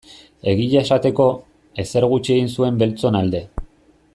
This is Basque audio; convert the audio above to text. Egia esateko, ezer gutxi egin zuen beltzon alde.